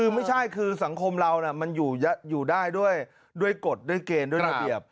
คือไม่ใช่คือสังคมเรามันอยู่ได้ด้วยกฎด้วยเกณฑ์ด้วยระเบียบ